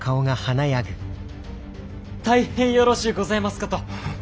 大変よろしゅうございますかと！